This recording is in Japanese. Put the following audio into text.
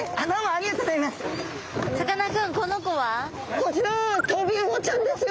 こちらはトビウオちゃんですよ。